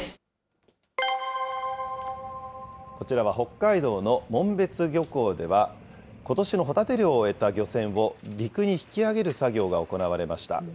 こちらは、北海道の紋別漁港では、ことしのホタテ漁を終えた漁船を陸に引き上げる作業が行われました。